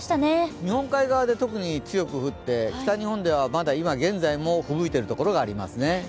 日本海側で特に強く降って北日本では今現在も吹雪いているところがありますね。